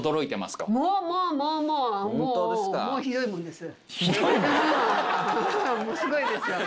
すごいですよ。